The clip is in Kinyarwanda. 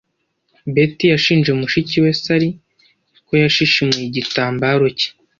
Beth yashinje mushiki we Sally ko yashishimuye igitambaro cye.